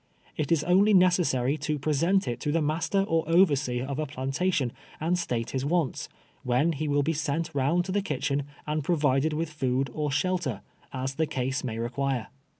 It is only necessary to present it to the master or overseer of a 2)lantation, and state his Avants, when he will be sent round to the kitchen and provided with food or shel ter, as the case may rerpiire.